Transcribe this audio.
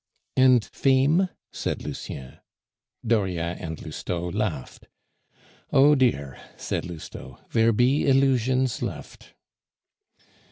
"And fame?" said Lucien. Dauriat and Lousteau laughed. "Oh dear!" said Lousteau, "there be illusions left."